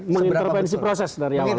mengintervensi proses dari awal